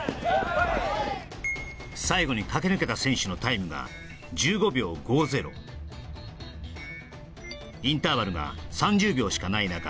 最後に駆け抜けた選手のタイムが１５秒５０インターバルが３０秒しかないなか